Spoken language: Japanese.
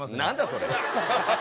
何だそれ！